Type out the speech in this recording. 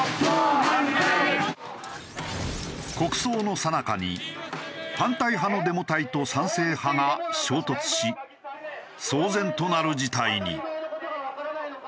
国葬のさなかに反対派のデモ隊と賛成派が衝突し騒然となる事態に。